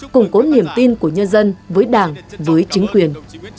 củng cố niềm tin của nhân dân với đảng với chính quyền